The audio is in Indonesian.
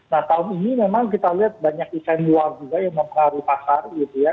nah tahun ini memang kita lihat banyak desain luar juga yang mempengaruhi pasar gitu ya